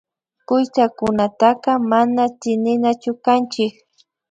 Kuytsakunataka mana tsininachu kanchik